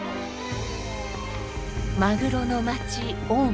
マグロの町大間。